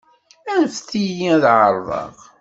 Anfet-iyi ad εerḍeɣ.